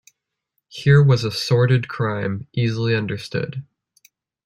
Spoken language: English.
Here was a sordid crime, easily understood.